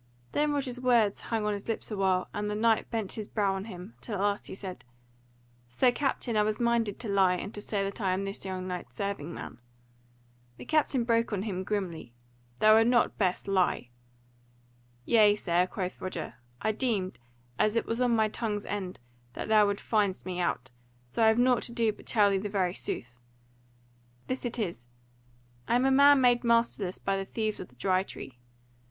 Then Roger's words hung on his lips awhile, and the knight bent his brow on him, till at last he said, "Sir Captain, I was minded to lie, and say that I am this young knight's serving man." The captain broke in on him grimly, "Thou wert best not lie." "Yea, sir," quoth Roger, "I deemed, as it was on my tongue's end, that thou wouldst find me out, so I have nought to do but tell thee the very sooth: this it is: I am a man made masterless by the thieves of the Dry Tree.